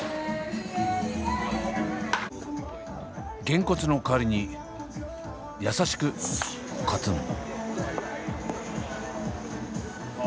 げんこつの代わりに優しくコツン。